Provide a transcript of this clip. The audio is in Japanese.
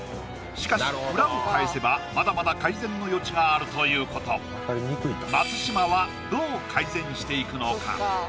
しかし裏を返せばまだまだ改善の余地があるということ松嶋はどう改善していくのか？